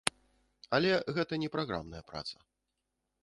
Але гэта не праграмная праца.